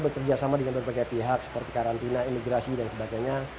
kita juga terguna kerjasama dengan berbagai pihak seperti karantina imigrasi dan sebagainya